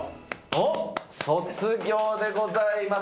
おっ、卒業でございます。